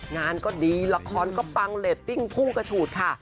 งานก็ดีละครก็ปังเรตติ้งพุ่งกระฉูดค่ะ